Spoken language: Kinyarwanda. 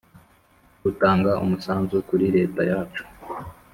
rutanga umusanzu kuri leta yacu